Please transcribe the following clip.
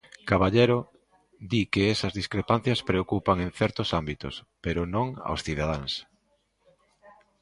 Caballero di que esas discrepancias preocupan en certos ámbitos, pero non aos cidadáns.